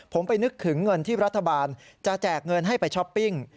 ผมไปนึกถึงเงินที่รัฐบาลจะแจกเงินให้ไปช้อปปิ้ง